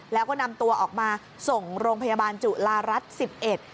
แล้วก็นำตัวออกมาส่งโรงพยาบาลจุฬารัฐสิบเอ็ด